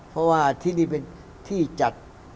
เพราะว่าที่นี่เป็นที่จัด